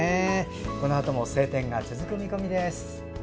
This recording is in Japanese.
このあとも晴天が続く見込みです。